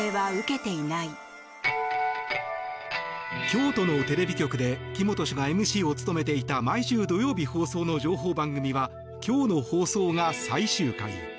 京都のテレビ局で木本氏がＭＣを務めていた毎週土曜日放送の情報番組は今日の放送が最終回。